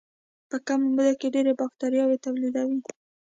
په کمه موده کې ډېرې باکتریاوې تولیدوي.